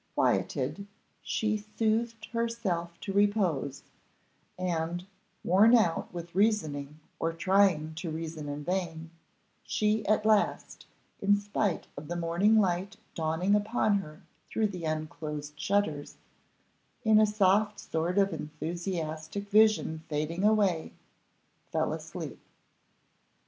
Quieted, she soothed herself to repose, and, worn out with reasoning or trying to reason in vain, she at last, in spite of the morning light dawning upon her through the unclosed shutters, in a soft sort of enthusiastic vision fading away, fell asleep.